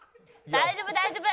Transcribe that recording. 大丈夫大丈夫！